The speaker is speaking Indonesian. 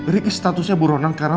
riki statusnya buruan angkaran